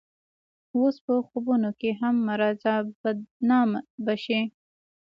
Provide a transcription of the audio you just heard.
اوس په خوبونو کښې هم مه راځه بدنامه به شې